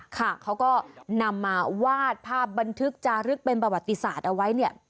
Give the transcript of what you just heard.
เขาก็นำมาวาดภาพบันทึกจารึกเป็นประวัติศาสตร์เอาไว้เนี่ย